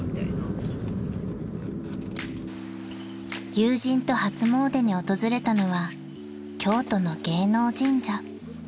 ［友人と初詣に訪れたのは京都の芸能神社］